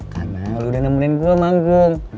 karena lu udah nemenin gue om agung